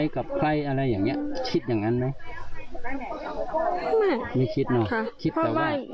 กับใครอะไรอย่างเงี้คิดอย่างนั้นไหมไม่คิดเนอะคิดแบบว่า